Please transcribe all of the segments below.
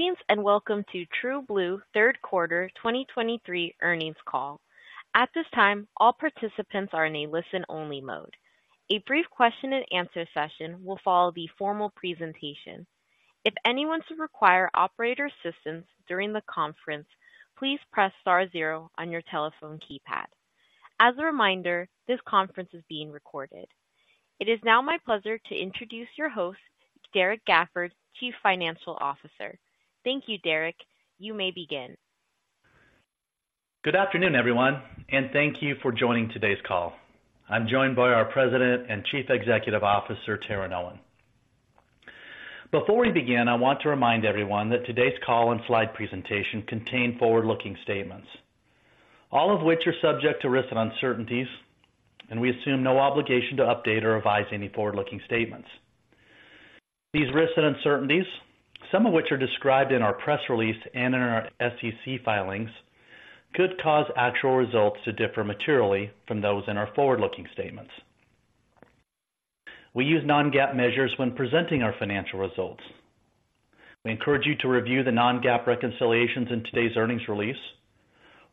Greetings, and welcome to TrueBlue Q3 2023 earnings call. At this time, all participants are in a listen-only mode. A brief question and answer session will follow the formal presentation. If anyone should require operator assistance during the conference, please press star zero on your telephone keypad. As a reminder, this conference is being recorded. It is now my pleasure to introduce your host, Derrek Gafford, Chief Financial Officer. Thank you, Derrek. You may begin. Good afternoon, everyone, and thank you for joining today's call. I'm joined by our President and Chief Executive Officer, Taryn Owen. Before we begin, I want to remind everyone that today's call and slide presentation contain forward-looking statements, all of which are subject to risks and uncertainties, and we assume no obligation to update or revise any forward-looking statements. These risks and uncertainties, some of which are described in our press release and in our SEC filings, could cause actual results to differ materially from those in our forward-looking statements. We use non-GAAP measures when presenting our financial results. We encourage you to review the non-GAAP reconciliations in today's earnings release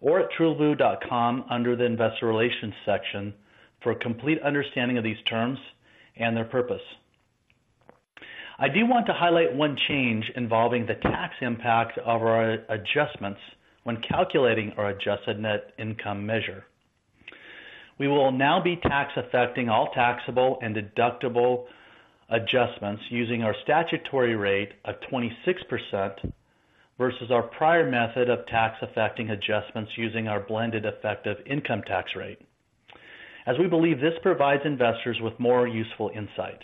or at TrueBlue.com under the Investor Relations section for a complete understanding of these terms and their purpose. I do want to highlight one change involving the tax impact of our adjustments when calculating our adjusted net income measure. We will now be tax affecting all taxable and deductible adjustments using our statutory rate of 26% versus our prior method of tax affecting adjustments using our blended effective income tax rate, as we believe this provides investors with more useful insight.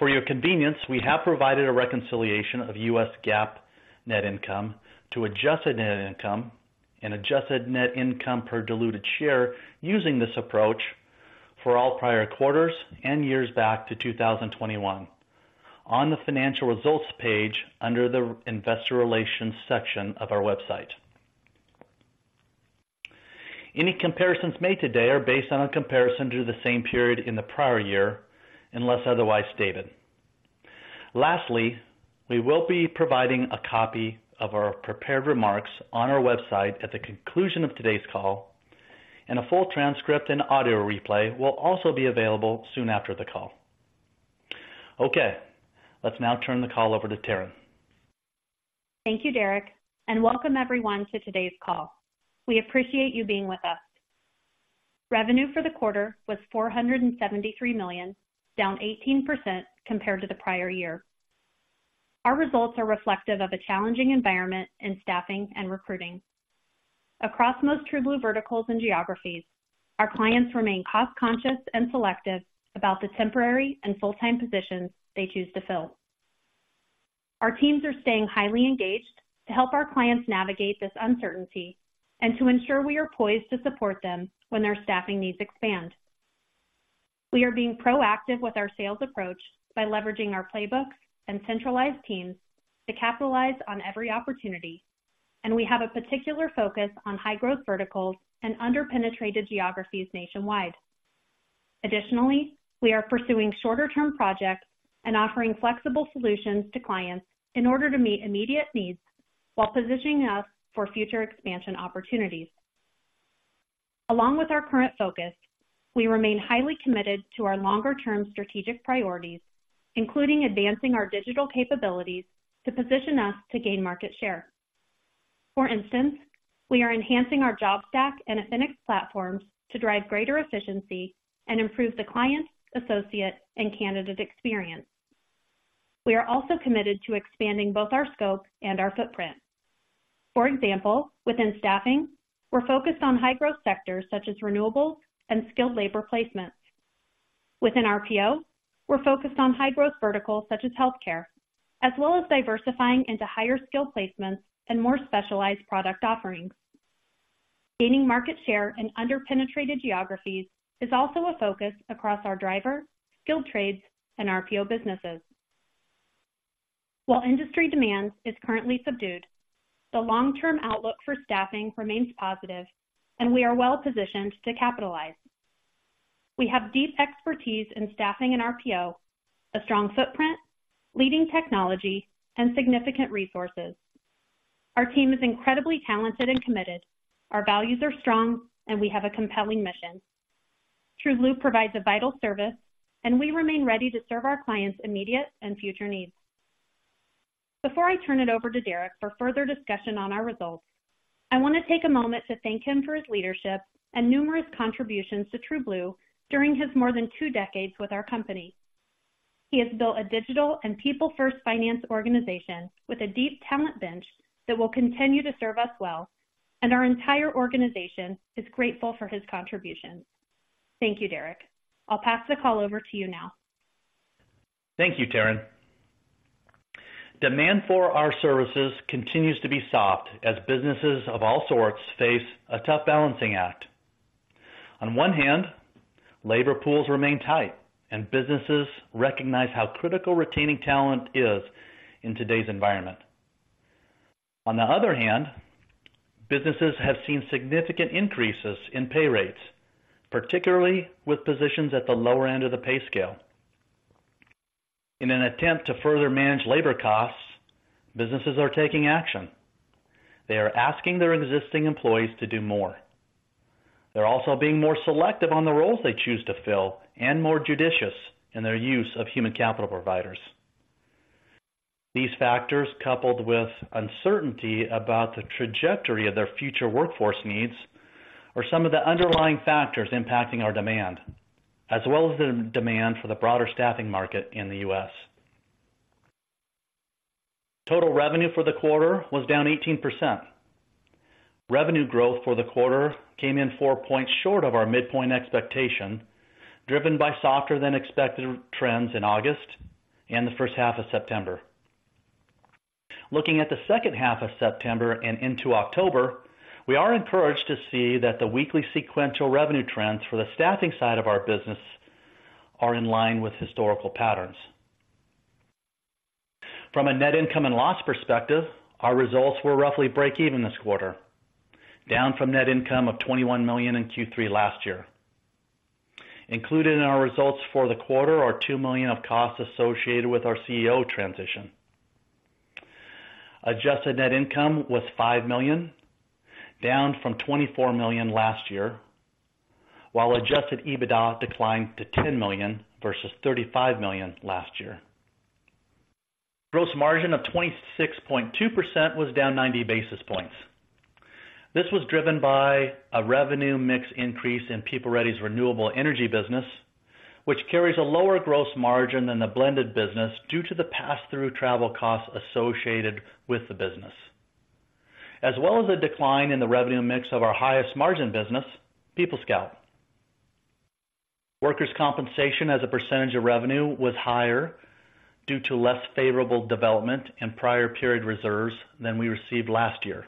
For your convenience, we have provided a reconciliation of U.S. GAAP net income to Adjusted Net Income and Adjusted Net Income per diluted share using this approach for all prior quarters and years back to 2021 on the Financial Results page under the Investor Relations section of our website. Any comparisons made today are based on a comparison to the same period in the prior year, unless otherwise stated. Lastly, we will be providing a copy of our prepared remarks on our website at the conclusion of today's call, and a full transcript and audio replay will also be available soon after the call. Okay, let's now turn the call over to Taryn. Thank you, Derrek, and welcome everyone to today's call. We appreciate you being with us. Revenue for the quarter was $473 million, down 18% compared to the prior year. Our results are reflective of a challenging environment in staffing and recruiting. Across most TrueBlue verticals and geographies, our clients remain cost-conscious and selective about the temporary and full-time positions they choose to fill. Our teams are staying highly engaged to help our clients navigate this uncertainty and to ensure we are poised to support them when their staffing needs expand. We are being proactive with our sales approach by leveraging our playbooks and centralized teams to capitalize on every opportunity, and we have a particular focus on high-growth verticals and under-penetrated geographies nationwide. Additionally, we are pursuing shorter-term projects and offering flexible solutions to clients in order to meet immediate needs while positioning us for future expansion opportunities. Along with our current focus, we remain highly committed to our longer-term strategic priorities, including advancing our digital capabilities to position us to gain market share. For instance, we are enhancing our JobStack and Affinix platforms to drive greater efficiency and improve the client, associate, and candidate experience. We are also committed to expanding both our scope and our footprint. For example, within staffing, we're focused on high-growth sectors such as renewables and skilled labor placements. Within RPO, we're focused on high-growth verticals such as healthcare, as well as diversifying into higher skill placements and more specialized product offerings. Gaining market share in under-penetrated geographies is also a focus across our driver, skilled trades, and RPO businesses. While industry demand is currently subdued, the long-term outlook for staffing remains positive, and we are well positioned to capitalize. We have deep expertise in staffing and RPO, a strong footprint, leading technology, and significant resources. Our team is incredibly talented and committed. Our values are strong, and we have a compelling mission. TrueBlue provides a vital service, and we remain ready to serve our clients' immediate and future needs. Before I turn it over to Derrek for further discussion on our results, I want to take a moment to thank him for his leadership and numerous contributions to TrueBlue during his more than two decades with our company. He has built a digital and people-first finance organization with a deep talent bench that will continue to serve us well, and our entire organization is grateful for his contributions. Thank you, Derrek. I'll pass the call over to you now. Thank you, Taryn. Demand for our services continues to be soft as businesses of all sorts face a tough balancing act. On one hand, labor pools remain tight and businesses recognize how critical retaining talent is in today's environment....On the other hand, businesses have seen significant increases in pay rates, particularly with positions at the lower end of the pay scale. In an attempt to further manage labor costs, businesses are taking action. They are asking their existing employees to do more. They're also being more selective on the roles they choose to fill and more judicious in their use of human capital providers. These factors, coupled with uncertainty about the trajectory of their future workforce needs, are some of the underlying factors impacting our demand, as well as the demand for the broader staffing market in the U.S. Total revenue for the quarter was down 18%. Revenue growth for the quarter came in 4 points short of our midpoint expectation, driven by softer than expected trends in August and the first half of September. Looking at the second half of September and into October, we are encouraged to see that the weekly sequential revenue trends for the staffing side of our business are in line with historical patterns. From a net income and loss perspective, our results were roughly break even this quarter, down from net income of $21 million in Q3 last year. Included in our results for the quarter are $2 million of costs associated with our CEO transition. Adjusted Net Income was $5 million, down from $24 million last year, while Adjusted EBITDA declined to $10 million versus $35 million last year. Gross margin of 26.2% was down 90 basis points. This was driven by a revenue mix increase in PeopleReady's renewable energy business, which carries a lower gross margin than the blended business, due to the pass-through travel costs associated with the business, as well as a decline in the revenue mix of our highest margin business, PeopleScout. Workers' compensation, as a percentage of revenue, was higher due to less favorable development in prior period reserves than we received last year.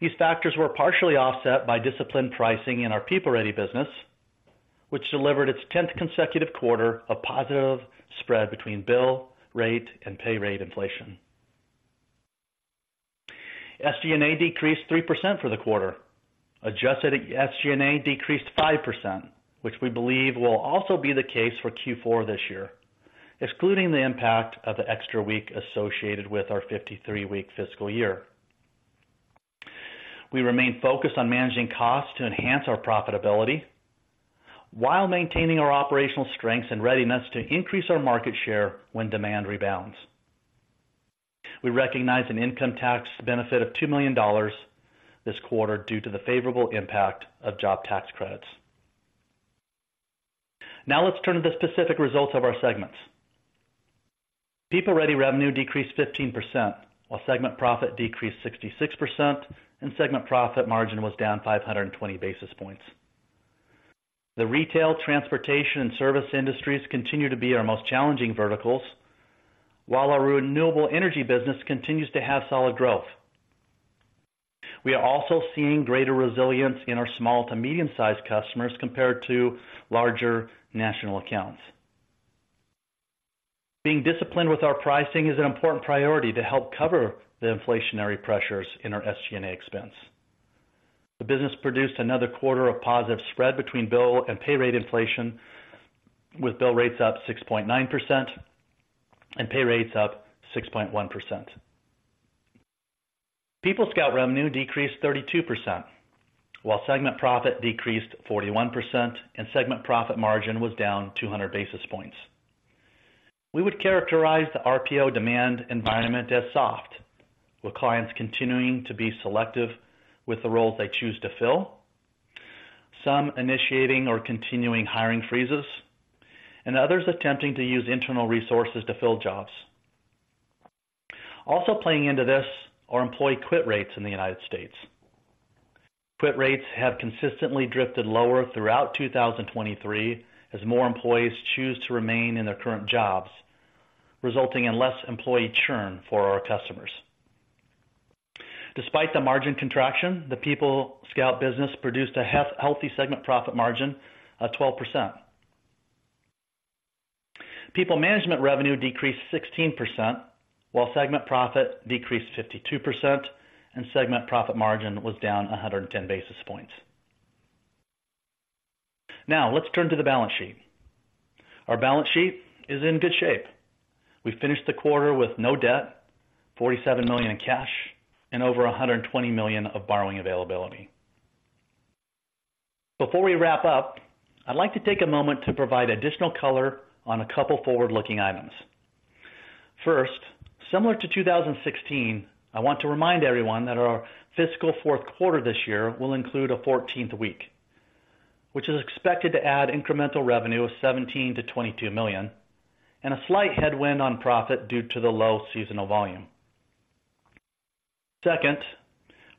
These factors were partially offset by disciplined pricing in our PeopleReady business, which delivered its 10th consecutive quarter of positive spread between bill rate and pay rate inflation. SG&A decreased 3% for the quarter. Adjusted SG&A decreased 5%, which we believe will also be the case for Q4 this year, excluding the impact of the extra week associated with our 53-week fiscal year. We remain focused on managing costs to enhance our profitability, while maintaining our operational strengths and readiness to increase our market share when demand rebounds. We recognize an income tax benefit of $2 million this quarter due to the favorable impact of job tax credits. Now let's turn to the specific results of our segments. PeopleReady revenue decreased 15%, while segment profit decreased 66% and segment profit margin was down 520 basis points. The retail, transportation, and service industries continue to be our most challenging verticals, while our renewable energy business continues to have solid growth. We are also seeing greater resilience in our small to medium-sized customers compared to larger national accounts. Being disciplined with our pricing is an important priority to help cover the inflationary pressures in our SG&A expense. The business produced another quarter of positive spread between bill and pay rate inflation, with bill rates up 6.9% and pay rates up 6.1%. PeopleScout revenue decreased 32%, while segment profit decreased 41%, and segment profit margin was down 200 basis points. We would characterize the RPO demand environment as soft, with clients continuing to be selective with the roles they choose to fill, some initiating or continuing hiring freezes, and others attempting to use internal resources to fill jobs. Also playing into this are employee quit rates in the United States. Quit rates have consistently drifted lower throughout 2023, as more employees choose to remain in their current jobs, resulting in less employee churn for our customers. Despite the margin contraction, the PeopleScout business produced a healthy segment profit margin of 12%. PeopleManagement revenue decreased 16%, while segment profit decreased 52%, and segment profit margin was down 110 basis points. Now, let's turn to the balance sheet. Our balance sheet is in good shape. We finished the quarter with no debt, $47 million in cash, and over $120 million of borrowing availability. Before we wrap up, I'd like to take a moment to provide additional color on a couple forward-looking items. First, similar to 2016, I want to remind everyone that our fiscal Q4 this year will include a 14th week, which is expected to add incremental revenue of $17 million-$22 million, and a slight headwind on profit due to the low seasonal volume. Second,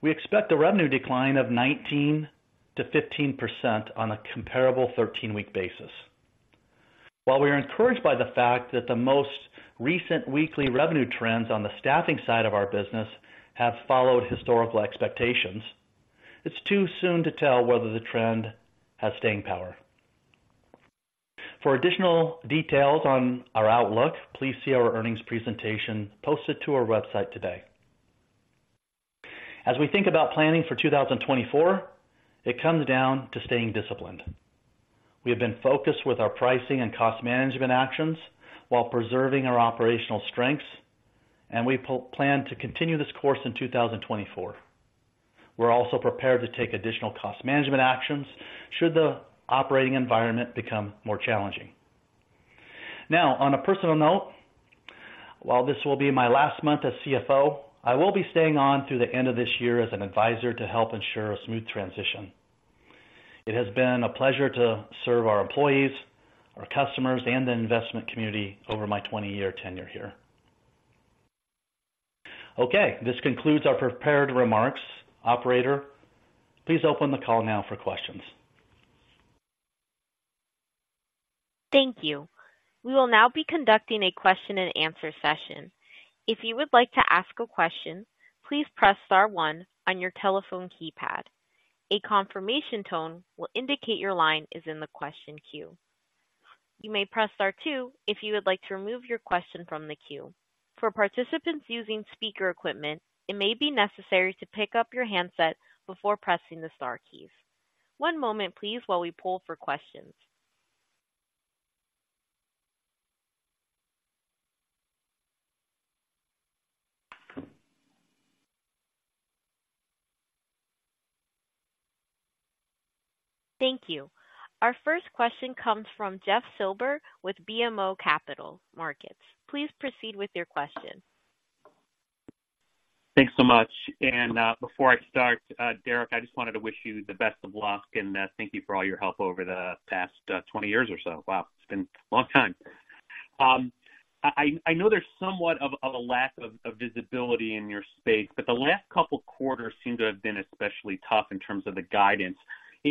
we expect a revenue decline of 19%-15% on a comparable 13-week basis. While we are encouraged by the fact that the most recent weekly revenue trends on the staffing side of our business have followed historical expectations, it's too soon to tell whether the trend has staying power. For additional details on our outlook, please see our earnings presentation posted to our website today. As we think about planning for 2024, it comes down to staying disciplined. We have been focused with our pricing and cost management actions while preserving our operational strengths, and we plan to continue this course in 2024. We're also prepared to take additional cost management actions should the operating environment become more challenging. Now, on a personal note, while this will be my last month as CFO, I will be staying on through the end of this year as an advisor to help ensure a smooth transition. It has been a pleasure to serve our employees, our customers, and the investment community over my 20-year tenure here. Okay, this concludes our prepared remarks. Operator, please open the call now for questions. Thank you. We will now be conducting a question-and-answer session. If you would like to ask a question, please press star one on your telephone keypad. A confirmation tone will indicate your line is in the question queue. You may press star two if you would like to remove your question from the queue. For participants using speaker equipment, it may be necessary to pick up your handset before pressing the star keys. One moment, please, while we pull for questions. Thank you. Our first question comes from Jeff Silber with BMO Capital Markets. Please proceed with your question. Thanks so much. And, before I start, Derrek, I just wanted to wish you the best of luck, and, thank you for all your help over the past 20 years or so. Wow, it's been a long time. I know there's somewhat of a lack of visibility in your space, but the last couple quarters seem to have been especially tough in terms of the guidance.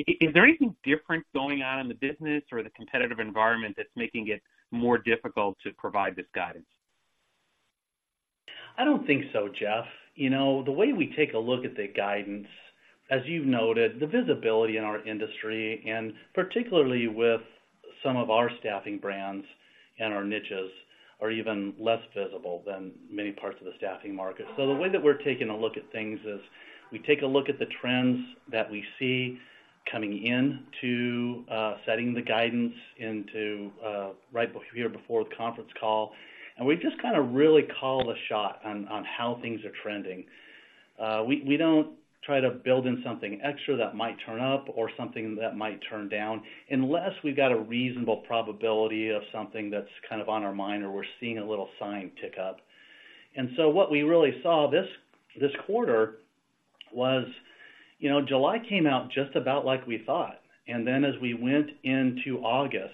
Is there anything different going on in the business or the competitive environment that's making it more difficult to provide this guidance? I don't think so, Jeff. You know, the way we take a look at the guidance, as you've noted, the visibility in our industry, and particularly with some of our staffing brands and our niches, are even less visible than many parts of the staffing market. So the way that we're taking a look at things is, we take a look at the trends that we see coming in to setting the guidance into right here before the conference call, and we just kinda really call the shot on how things are trending. We don't try to build in something extra that might turn up or something that might turn down unless we've got a reasonable probability of something that's kind of on our mind or we're seeing a little sign tick up. And so what we really saw this quarter was, you know, July came out just about like we thought. And then as we went into August,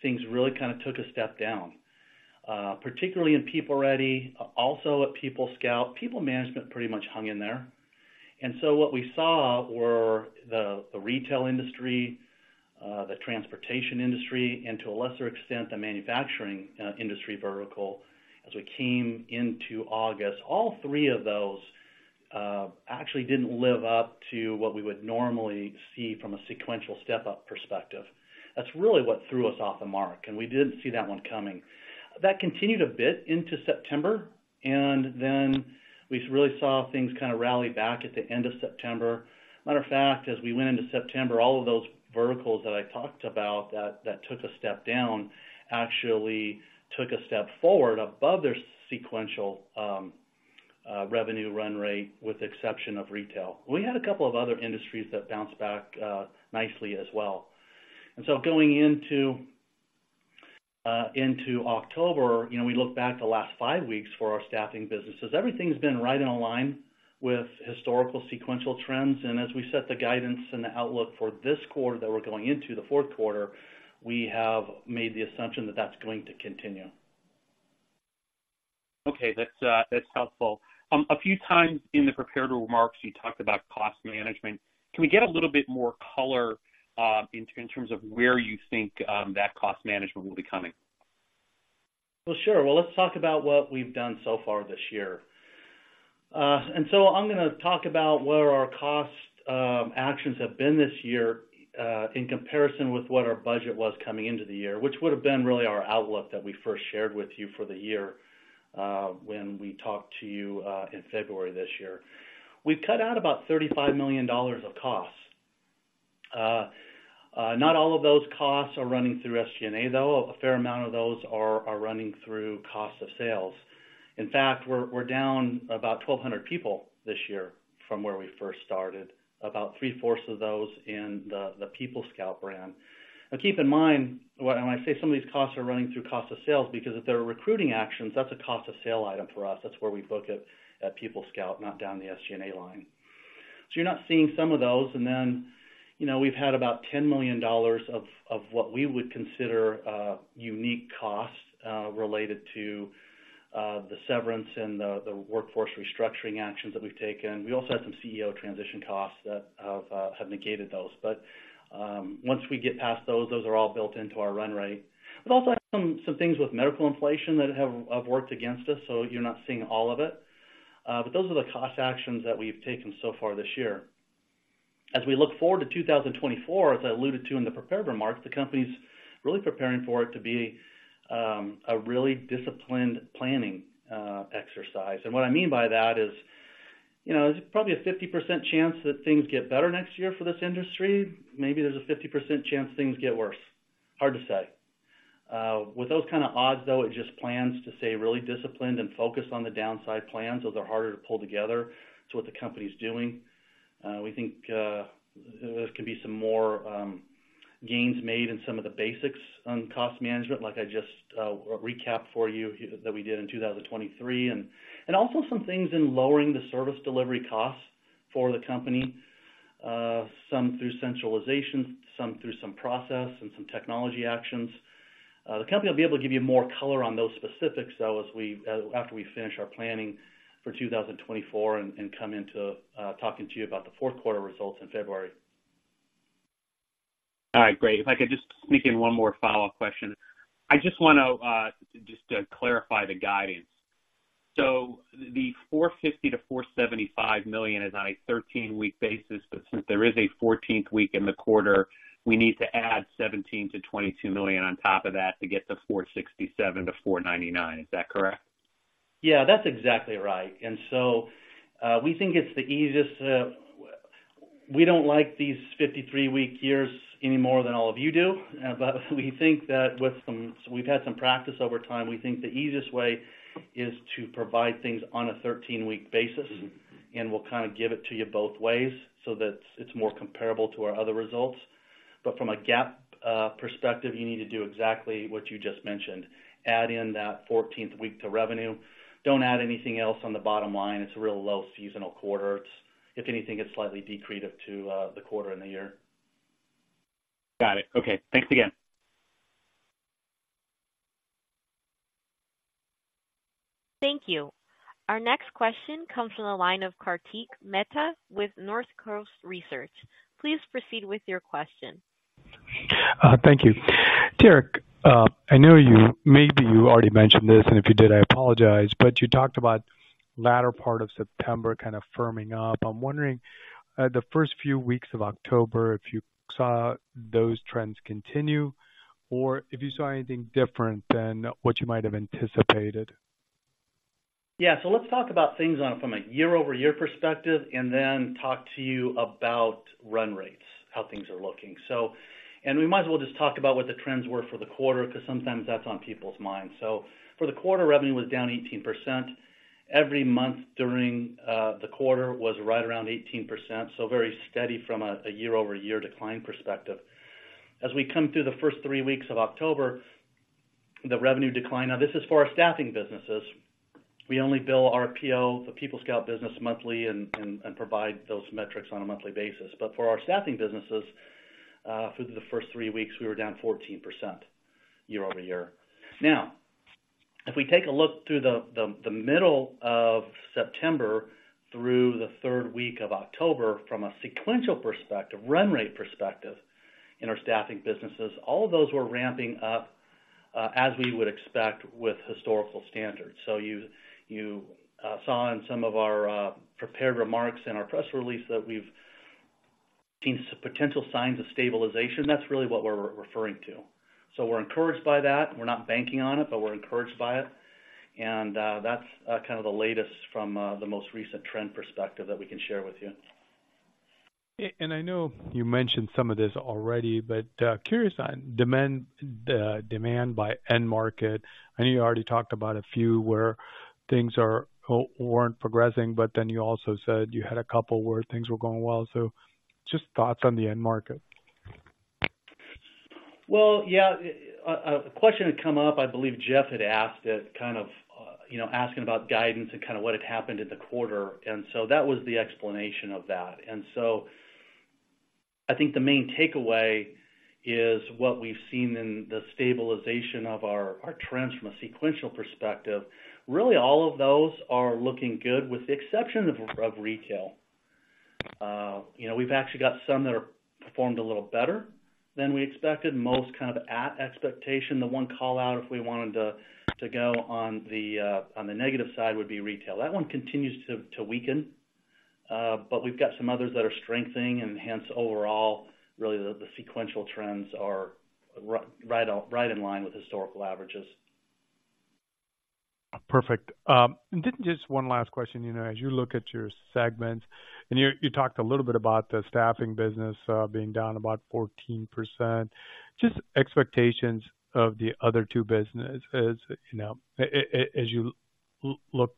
things really kind of took a step down, particularly in PeopleReady, also at PeopleScout. PeopleManagement pretty much hung in there. And so what we saw were the retail industry, the transportation industry, and to a lesser extent, the manufacturing industry vertical. As we came into August, all three of those actually didn't live up to what we would normally see from a sequential step-up perspective. That's really what threw us off the mark, and we didn't see that one coming. That continued a bit into September, and then we really saw things kinda rally back at the end of September. Matter of fact, as we went into September, all of those verticals that I talked about that took a step down actually took a step forward above their sequential revenue run rate, with exception of retail. We had a couple of other industries that bounced back nicely as well. And so going into October, you know, we look back the last five weeks for our staffing businesses. Everything's been right on line with historical sequential trends, and as we set the guidance and the outlook for this quarter that we're going into, the Q4, we have made the assumption that that's going to continue. Okay. That's, that's helpful. A few times in the prepared remarks, you talked about cost management. Can we get a little bit more color in terms of where you think that cost management will be coming? Well, sure. Well, let's talk about what we've done so far this year. And so I'm gonna talk about where our cost actions have been this year, in comparison with what our budget was coming into the year, which would've been really our outlook that we first shared with you for the year, when we talked to you, in February this year. We've cut out about $35 million of costs. Not all of those costs are running through SG&A, though. A fair amount of those are running through cost of sales. In fact, we're down about 1,200 people this year from where we first started, about three-fourths of those in the PeopleScout brand. But keep in mind, when I say some of these costs are running through cost of sales, because if they're recruiting actions, that's a cost of sale item for us. That's where we book it at PeopleScout, not down the SG&A line. So you're not seeing some of those. And then, you know, we've had about $10 million of what we would consider unique costs related to the severance and the workforce restructuring actions that we've taken. We also had some CEO transition costs that have negated those. But once we get past those, those are all built into our run rate. We've also had some things with medical inflation that have worked against us, so you're not seeing all of it. But those are the cost actions that we've taken so far this year. As we look forward to 2024, as I alluded to in the prepared remarks, the company's really preparing for it to be a really disciplined planning exercise. And what I mean by that is, you know, there's probably a 50% chance that things get better next year for this industry. Maybe there's a 50% chance things get worse. Hard to say. With those kind of odds, though, it just plans to stay really disciplined and focused on the downside plan, so they're harder to pull together. It's what the company's doing. We think there could be some more gains made in some of the basics on cost management, like I just recapped for you that we did in 2023, and also some things in lowering the service delivery costs for the company, some through centralization, some through some process and some technology actions. The company will be able to give you more color on those specifics, though, as we, after we finish our planning for 2024 and come into talking to you about the Q4 results in February. All right, great. If I could just sneak in one more follow-up question. I just wanna just to clarify the guidance. So the $450 million-$475 million is on a 13-week basis, but since there is a 14th week in the quarter, we need to add $17 million-$22 million on top of that to get to $467 million-$499 million. Is that correct? Yeah, that's exactly right. And so, we think it's the easiest. We don't like these 53-week years any more than all of you do, but we think that with some. We've had some practice over time. We think the easiest way is to provide things on a 13-week basis, and we'll kinda give it to you both ways so that it's more comparable to our other results. But from a GAAP perspective, you need to do exactly what you just mentioned: add in that 14th week to revenue. Don't add anything else on the bottom line. It's a real low seasonal quarter. It's. If anything, it's slightly accretive to the quarter and the year. Got it. Okay, thanks again. Thank you. Our next question comes from the line of Kartik Mehta with North Coast Research. Please proceed with your question. Thank you. Derrek, I know you, maybe you already mentioned this, and if you did, I apologize, but you talked about latter part of September kind of firming up. I'm wondering, the first few weeks of October, if you saw those trends continue or if you saw anything different than what you might have anticipated? Yeah, so let's talk about things on a, from a year-over-year perspective, and then talk to you about run rates, how things are looking. So... And we might as well just talk about what the trends were for the quarter, 'cause sometimes that's on people's minds. So for the quarter, revenue was down 18%. Every month during the quarter was right around 18%, so very steady from a year-over-year decline perspective. As we come through the first three weeks of October, the revenue decline. Now, this is for our staffing businesses. We only bill RPO, the PeopleScout business, monthly and provide those metrics on a monthly basis. But for our staffing businesses, through the first three weeks, we were down 14% year-over-year. Now, if we take a look through the middle of September through the third week of October, from a sequential perspective, run rate perspective in our staffing businesses, all of those were ramping up, as we would expect with historical standards. So you saw in some of our prepared remarks in our press release that we've seen potential signs of stabilization. That's really what we're referring to. So we're encouraged by that. We're not banking on it, but we're encouraged by it. And that's kind of the latest from the most recent trend perspective that we can share with you. I know you mentioned some of this already, but curious on demand, demand by end market. I know you already talked about a few where things are, weren't progressing, but then you also said you had a couple where things were going well. Just thoughts on the end market. Well, yeah, a question had come up. I believe Jeff had asked it, kind of, you know, asking about guidance and kind of what had happened in the quarter, and so that was the explanation of that. So I think the main takeaway is what we've seen in the stabilization of our trends from a sequential perspective. Really, all of those are looking good, with the exception of retail. You know, we've actually got some that are performed a little better than we expected, most kind of at expectation. The one call-out, if we wanted to go on the negative side, would be retail. That one continues to weaken, but we've got some others that are strengthening and hence overall, really, the sequential trends are right in line with historical averages. Perfect. And then just one last question. You know, as you look at your segments, and you talked a little bit about the staffing business being down about 14%. Just expectations of the other two businesses, you know, as you look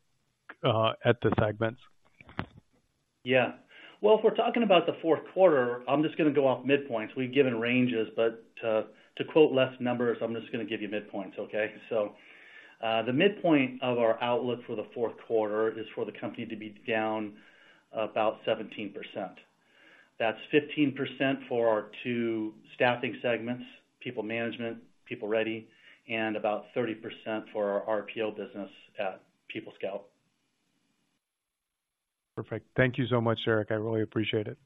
at the segments? Yeah. Well, if we're talking about the Q4, I'm just gonna go off midpoints. We've given ranges, but to quote less numbers, I'm just gonna give you midpoints, okay? So, the midpoint of our outlook for the Q4 is for the company to be down about 17%. That's 15% for our two staffing segments, PeopleManagement, PeopleReady, and about 30% for our RPO business at PeopleScout. Perfect. Thank you so much, Derrek. I really appreciate it.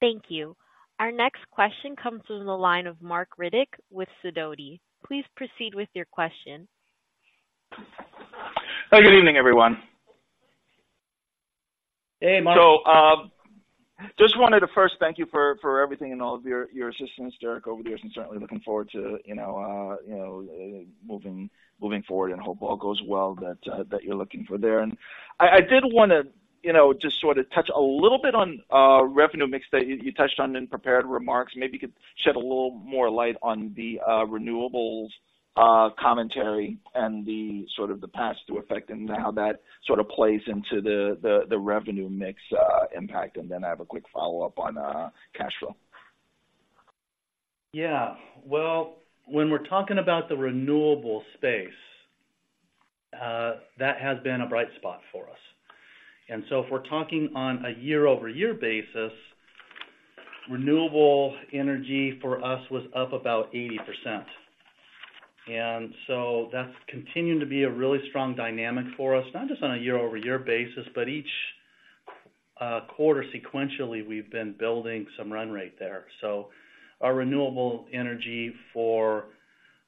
Thank you. Our next question comes from the line of Marc Riddick with Sidoti. Please proceed with your question. Hi, good evening, everyone. Hey, Marc. So, just wanted to first thank you for everything and all of your assistance, Derrek, over the years, and certainly looking forward to, you know, you know, moving forward and hope all goes well, that you're looking for there. And I did wanna, you know, just sort of touch a little bit on revenue mix that you touched on in prepared remarks. Maybe you could shed a little more light on the renewables commentary and the sort of paths to effect and how that sort of plays into the revenue mix impact. And then I have a quick follow-up on cash flow. Yeah. Well, when we're talking about the renewable space, that has been a bright spot for us. And so if we're talking on a year-over-year basis, renewable energy for us was up about 80%. And so that's continuing to be a really strong dynamic for us, not just on a year-over-year basis, but each quarter sequentially, we've been building some run rate there. So our renewable energy for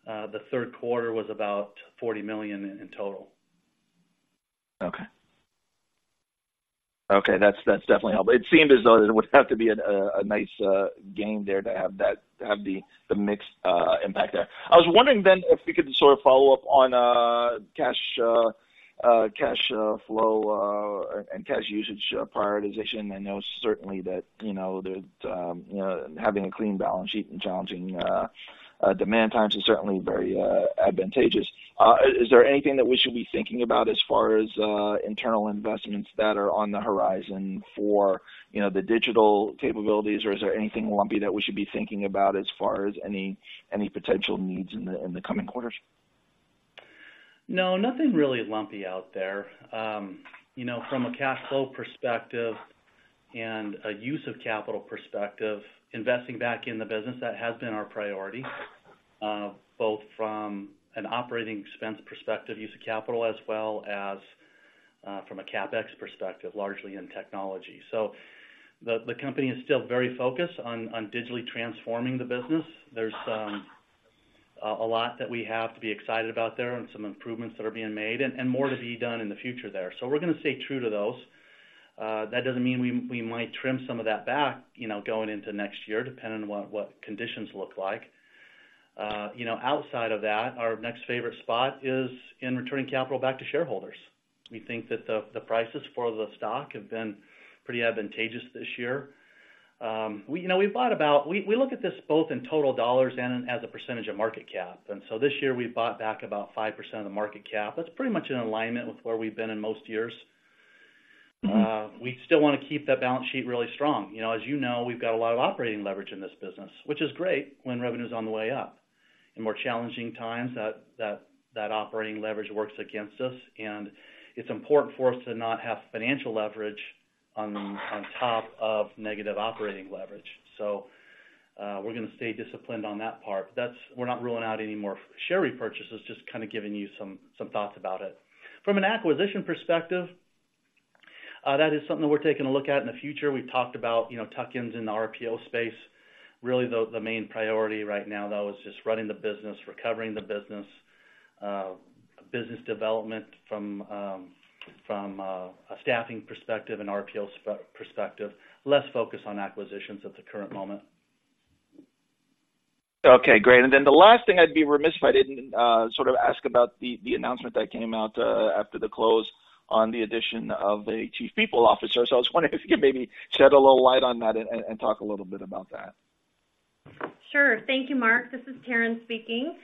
the Q3 was about $40 million in total. Okay. Okay, that's definitely helpful. It seemed as though it would have to be a nice, gain there to have that, have the mix, impact there. I was wondering then if you could sort of follow up on cash, cash flow, and cash usage prioritization. I know certainly that, you know, that having a clean balance sheet and challenging, demand times is certainly very advantageous. Is there anything that we should be thinking about as far as internal investments that are on the horizon for, you know, the digital capabilities? Or is there anything lumpy that we should be thinking about as far as any potential needs in the coming quarters? No, nothing really lumpy out there. You know, from a cash flow perspective and a use of capital perspective, investing back in the business, that has been our priority, both from an operating expense perspective, use of capital, as well as, from a CapEx perspective, largely in technology. So the company is still very focused on digitally transforming the business. There's a lot that we have to be excited about there and some improvements that are being made and more to be done in the future there. So we're gonna stay true to those. That doesn't mean we might trim some of that back, you know, going into next year, depending on what conditions look like. You know, outside of that, our next favorite spot is in returning capital back to shareholders. We think that the prices for the stock have been pretty advantageous this year. We, you know, look at this both in total dollars and as a percentage of market cap, and so this year we bought back about 5% of the market cap. That's pretty much in alignment with where we've been in most years. We still wanna keep that balance sheet really strong. You know, as you know, we've got a lot of operating leverage in this business, which is great when revenue's on the way up. In more challenging times, that operating leverage works against us, and it's important for us to not have financial leverage on top of negative operating leverage. So, we're gonna stay disciplined on that part. That's, we're not ruling out any more share repurchases, just kind of giving you some thoughts about it. From an acquisition perspective, that is something we're taking a look at in the future. We've talked about, you know, tuck-ins in the RPO space. Really, the main priority right now, though, is just running the business, recovering the business, business development from a staffing perspective and RPO perspective. Less focus on acquisitions at the current moment. Okay, great. And then the last thing I'd be remiss if I didn't sort of ask about the announcement that came out after the close on the addition of a Chief People Officer. So I was wondering if you could maybe shed a little light on that and talk a little bit about that. Sure. Thank you, Mark. This is Taryn speaking.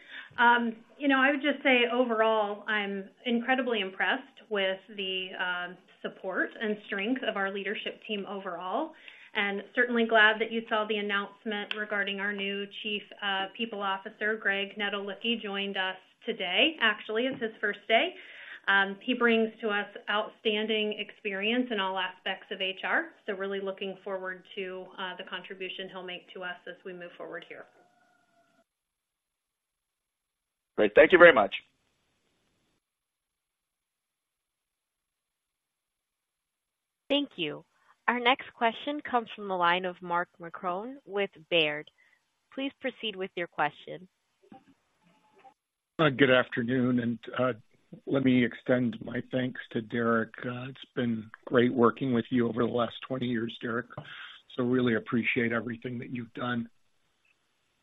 You know, I would just say overall, I'm incredibly impressed with the support and strength of our leadership team overall, and certainly glad that you saw the announcement regarding our new Chief People Officer, Greg Netolicky, joined us today. Actually, it's his first day. He brings to us outstanding experience in all aspects of HR, so really looking forward to the contribution he'll make to us as we move forward here. Great. Thank you very much. Thank you. Our next question comes from the line of Mark Marcon with Baird. Please proceed with your question. Good afternoon, and let me extend my thanks to Derrek. It's been great working with you over the last 20 years, Derrek, so really appreciate everything that you've done.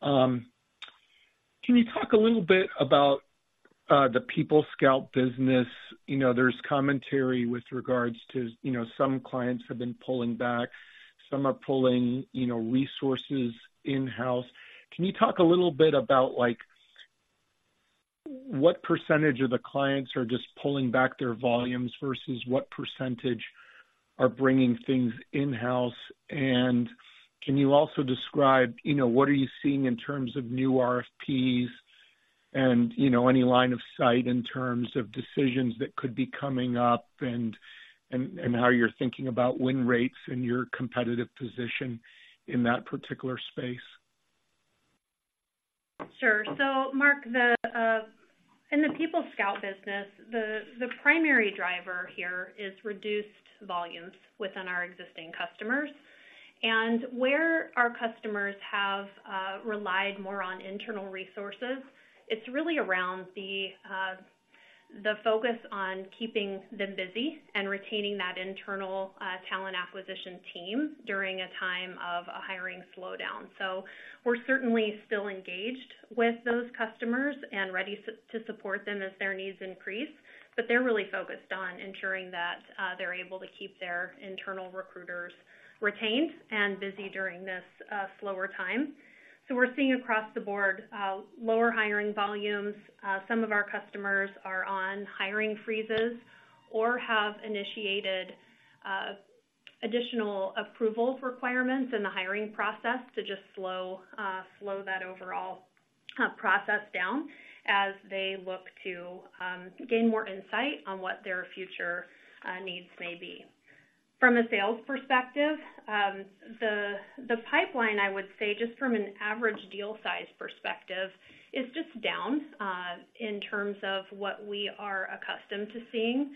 Can you talk a little bit about the PeopleScout business? You know, there's commentary with regards to, you know, some clients have been pulling back, some are pulling, you know, resources in-house. Can you talk a little bit about, like, what percentage of the clients are just pulling back their volumes versus what percentage are bringing things in-house? And can you also describe, you know, what are you seeing in terms of new RFPs and, you know, any line of sight in terms of decisions that could be coming up and, and, and how you're thinking about win rates and your competitive position in that particular space?... Sure. So Mark, in the PeopleScout business, the primary driver here is reduced volumes within our existing customers. And where our customers have relied more on internal resources, it's really around the focus on keeping them busy and retaining that internal talent acquisition team during a time of a hiring slowdown. So we're certainly still engaged with those customers and ready to support them as their needs increase, but they're really focused on ensuring that they're able to keep their internal recruiters retained and busy during this slower time. So we're seeing across the board lower hiring volumes. Some of our customers are on hiring freezes or have initiated additional approval requirements in the hiring process to just slow that overall process down as they look to gain more insight on what their future needs may be. From a sales perspective, the pipeline, I would say, just from an average deal size perspective, is just down in terms of what we are accustomed to seeing.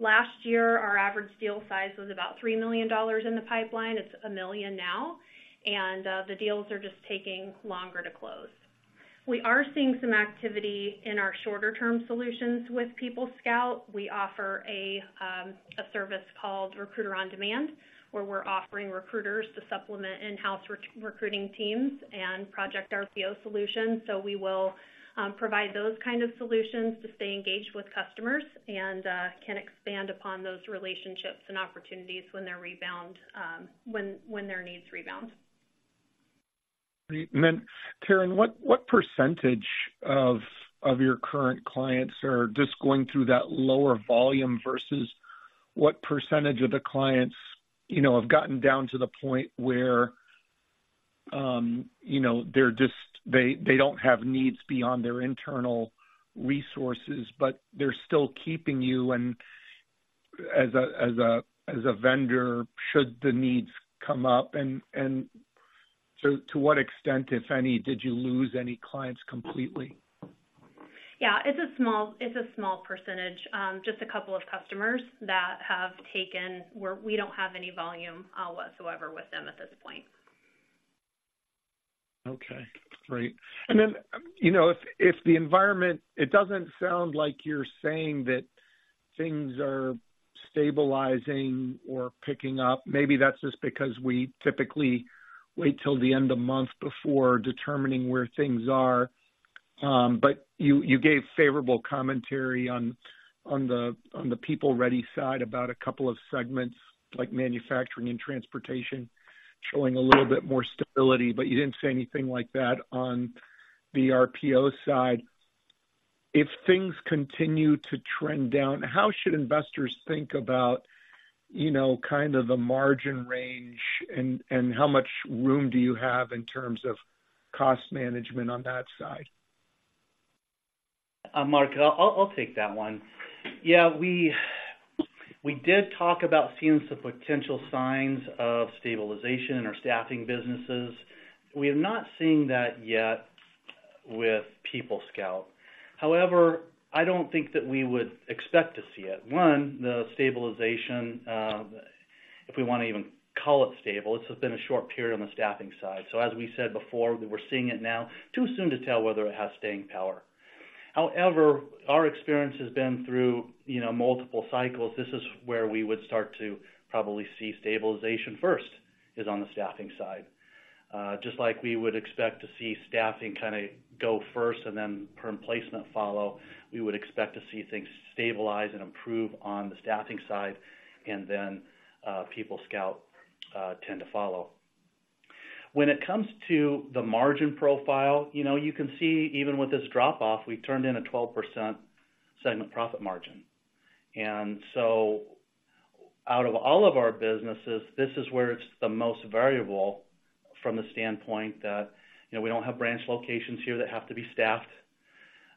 Last year, our average deal size was about $3 million in the pipeline. It's $1 million now, and the deals are just taking longer to close. We are seeing some activity in our shorter-term solutions with PeopleScout. We offer a service called Recruiter On-Demand, where we're offering recruiters to supplement in-house recruiting teams and project RPO solutions. So we will provide those kind of solutions to stay engaged with customers and can expand upon those relationships and opportunities when their needs rebound. Taryn, what percentage of your current clients are just going through that lower volume versus what percentage of the clients, you know, have gotten down to the point where they don't have needs beyond their internal resources, but they're still keeping you as a vendor should the needs come up? To what extent, if any, did you lose any clients completely? Yeah, it's a small, it's a small percentage. Just a couple of customers that have taken... Where we don't have any volume, whatsoever with them at this point. Okay, great. And then, you know, if the environment... It doesn't sound like you're saying that things are stabilizing or picking up. Maybe that's just because we typically wait till the end of month before determining where things are. But you gave favorable commentary on the PeopleReady side about a couple of segments, like manufacturing and transportation, showing a little bit more stability, but you didn't say anything like that on the RPO side. If things continue to trend down, how should investors think about, you know, kind of the margin range and how much room do you have in terms of cost management on that side? Mark, I'll take that one. Yeah, we did talk about seeing some potential signs of stabilization in our staffing businesses. We have not seen that yet with PeopleScout. However, I don't think that we would expect to see it. One, the stabilization, if we want to even call it stable, it's been a short period on the staffing side. So as we said before, we're seeing it now. Too soon to tell whether it has staying power. However, our experience has been through, you know, multiple cycles. This is where we would start to probably see stabilization first, is on the staffing side. Just like we would expect to see staffing kinda go first and then perm placement follow, we would expect to see things stabilize and improve on the staffing side, and then, PeopleScout, tend to follow. When it comes to the margin profile, you know, you can see even with this drop-off, we turned in a 12% segment profit margin. And so out of all of our businesses, this is where it's the most variable from the standpoint that, you know, we don't have branch locations here that have to be staffed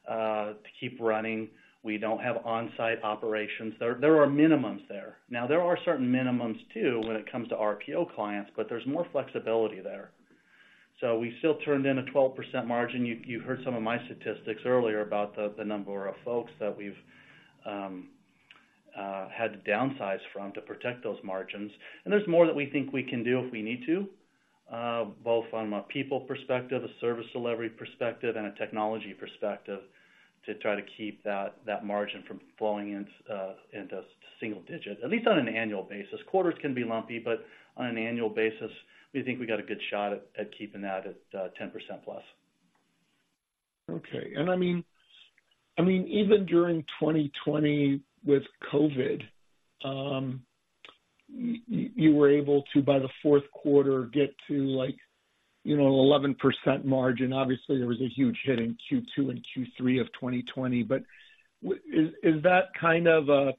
to keep running. We don't have on-site operations. There are minimums there. Now, there are certain minimums, too, when it comes to RPO clients, but there's more flexibility there. So we still turned in a 12% margin. You heard some of my statistics earlier about the number of folks that we've had to downsize from to protect those margins. And there's more that we think we can do if we need to, both from a people perspective, a service delivery perspective, and a technology perspective, to try to keep that margin from falling into single digits, at least on an annual basis. Quarters can be lumpy, but on an annual basis, we think we got a good shot at keeping that at 10%+. Okay. I mean, even during 2020 with COVID, you were able to, by the Q4, get to like, you know, 11% margin. Obviously, there was a huge hit in Q2 and Q3 of 2020. But is that kind of a...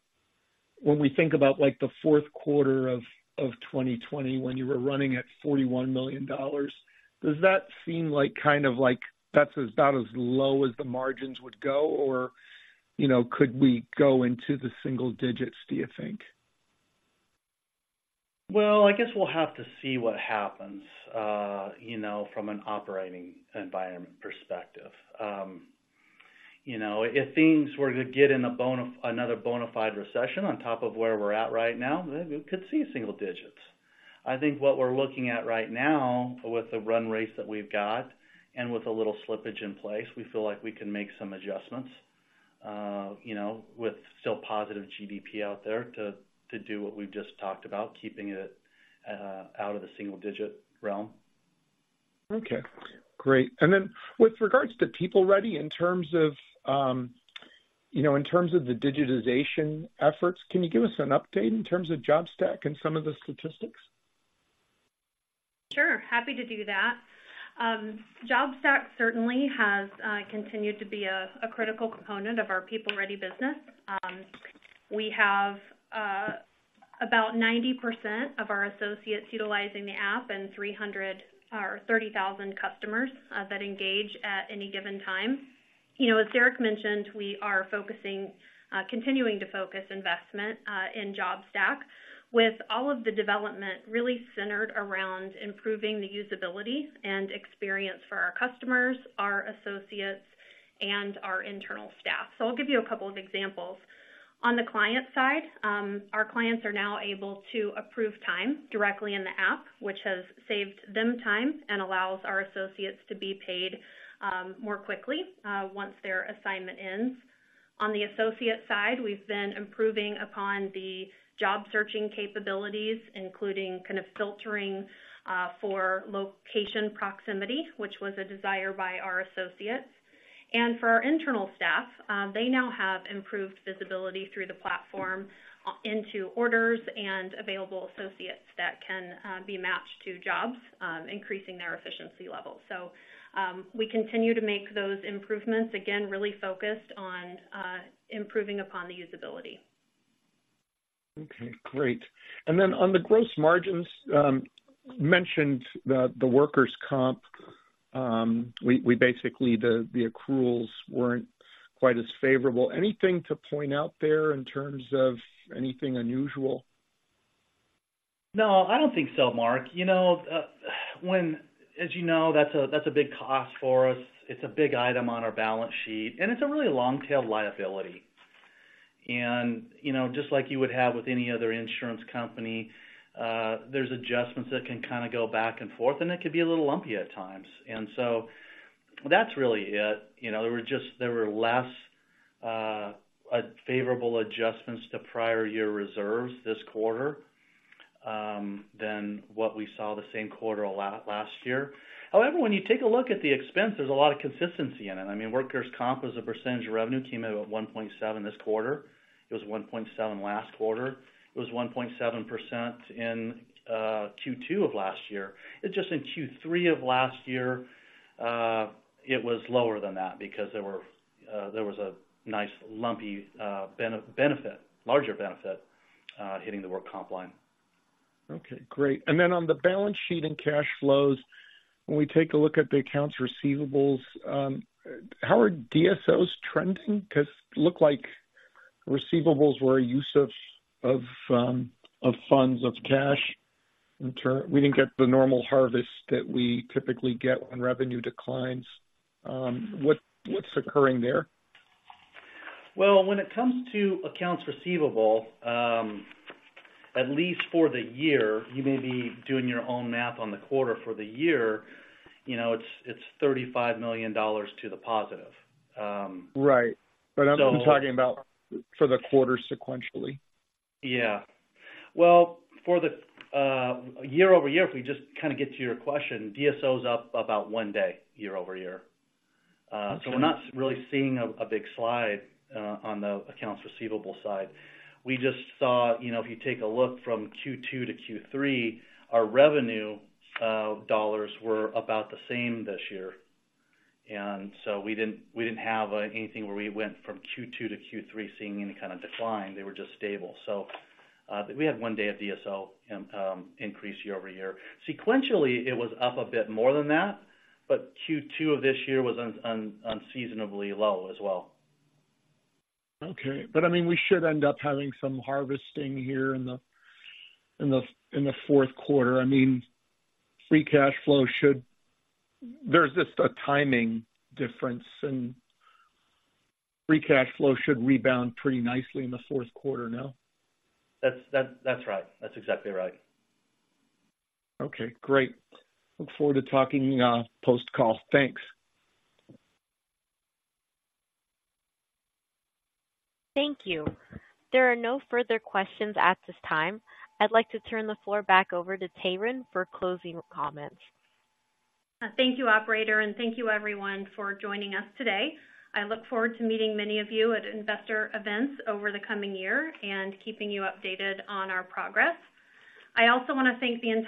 When we think about, like, the Q4 of 2020, when you were running at $41 million, does that seem like kind of like that's about as low as the margins would go? Or, you know, could we go into the single digits, do you think?... Well, I guess we'll have to see what happens, you know, from an operating environment perspective. You know, if things were to get in another bona fide recession on top of where we're at right now, then we could see single digits. I think what we're looking at right now, with the run rates that we've got and with a little slippage in place, we feel like we can make some adjustments, you know, with still positive GDP out there, to do what we've just talked about, keeping it out of the single digit realm. Okay, great. And then with regards to PeopleReady, in terms of, you know, in terms of the digitization efforts, can you give us an update in terms of JobStack and some of the statistics? Sure, happy to do that. JobStack certainly has continued to be a critical component of our PeopleReady business. We have about 90% of our associates utilizing the app and 300 or 30,000 customers that engage at any given time. You know, as Derrek mentioned, we are focusing, continuing to focus investment in JobStack, with all of the development really centered around improving the usability and experience for our customers, our associates, and our internal staff. So I'll give you a couple of examples. On the client side, our clients are now able to approve time directly in the app, which has saved them time and allows our associates to be paid more quickly once their assignment ends. On the associate side, we've been improving upon the job searching capabilities, including kind of filtering for location proximity, which was a desire by our associates. And for our internal staff, they now have improved visibility through the platform into orders and available associates that can be matched to jobs, increasing their efficiency level. So, we continue to make those improvements, again, really focused on improving upon the usability. Okay, great. And then on the gross margins, you mentioned the workers' comp. We basically, the accruals weren't quite as favorable. Anything to point out there in terms of anything unusual? No, I don't think so, Mark. You know, when... As you know, that's a, that's a big cost for us. It's a big item on our balance sheet, and it's a really long-tail liability. And, you know, just like you would have with any other insurance company, there's adjustments that can kinda go back and forth, and it can be a little lumpy at times. And so that's really it. You know, there were less favorable adjustments to prior year reserves this quarter than what we saw the same quarter last year. However, when you take a look at the expense, there's a lot of consistency in it. I mean, workers' comp, as a percentage of revenue, came in at 1.7% this quarter. It was 1.7% last quarter. It was 1.7% in Q2 of last year. It's just in Q3 of last year, it was lower than that because there was a nice lumpy benefit, larger benefit, hitting the work comp line. Okay, great. On the balance sheet and cash flows, when we take a look at the accounts receivables, how are DSOs trending? Because it looks like receivables were a use of funds, of cash. In turn, we didn't get the normal harvest that we typically get when revenue declines. What, what's occurring there? Well, when it comes to accounts receivable, at least for the year, you may be doing your own math on the quarter. For the year, you know, it's, it's $35 million to the positive, Right. So- But I'm talking about for the quarter sequentially. Yeah. Well, for the year-over-year, if we just kinda get to your question, DSO is up about one day, year-over-year. Okay. So we're not really seeing a big slide on the accounts receivable side. We just saw, you know, if you take a look from Q2 to Q3, our revenue dollars were about the same this year, and so we didn't, we didn't have anything where we went from Q2 to Q3 seeing any kind of decline. They were just stable. So we had one day of DSO increase year over year. Sequentially, it was up a bit more than that, but Q2 of this year was unseasonably low as well. Okay. But, I mean, we should end up having some harvesting here in the Q4. I mean, free cash flow should... There's just a timing difference, and free cash flow should rebound pretty nicely in the Q4, no? That's right. That's exactly right. Okay, great. Look forward to talking post-call. Thanks. Thank you. There are no further questions at this time. I'd like to turn the floor back over to Taryn for closing comments. Thank you, operator, and thank you everyone for joining us today. I look forward to meeting many of you at investor events over the coming year and keeping you updated on our progress. I also want to thank the